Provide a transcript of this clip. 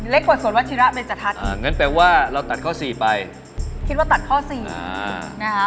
กว่าสวนวัชิระเบนจทัศน์อ่างั้นแปลว่าเราตัดข้อสี่ไปคิดว่าตัดข้อสี่นะคะ